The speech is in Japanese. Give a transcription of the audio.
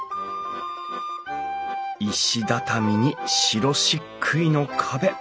石畳に白しっくいの壁。